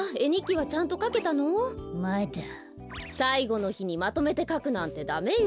さいごのひにまとめてかくなんてダメよ。